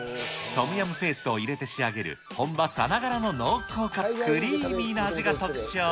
トムヤムペーストを入れて仕上げる本場さながらの濃厚かつクリーミーな味が特徴。